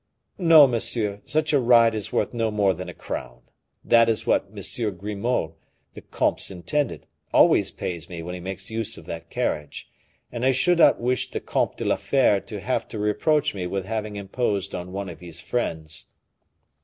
"No, monsieur, such a ride is worth no more than a crown; that is what M. Grimaud, the comte's intendant, always pays me when he makes use of that carriage; and I should not wish the Comte de la Fere to have to reproach me with having imposed on one of his friends."